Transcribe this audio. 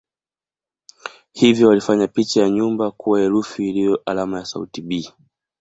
Hivyo walifanya picha ya nyumba kuwa herufi iliyo alama ya sauti "b".